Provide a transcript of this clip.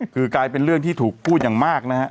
คือกลายเป็นเรื่องที่ถูกพูดอย่างมากนะฮะ